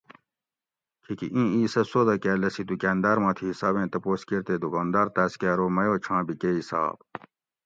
کھیکی اِیں اِیس اۤ سودہ کاۤ لسی دُکاۤنداۤر ماتھی حسابیں تپوس کِیر تے دُکاندار تاۤس کہ اۤرو میٔو چھاں بھی کہ حِساب